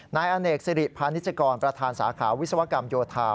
นายอเนกสิริพาณิชกรประธานสาขาวิศวกรรมโยธา